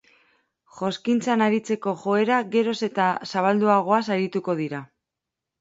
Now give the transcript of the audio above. Joskintzan aritzeko joera geroz eta zabalduagoaz arituko dira.